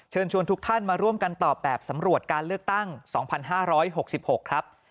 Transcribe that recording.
เชิญชวนทุกท่านมาร่วมกันต่อแบบสำรวจการเลือกตั้งสองพันห้าร้อยหกสิบหกครับ